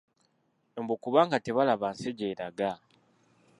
Mbu kubanga tebalaba nsi gy'eraga!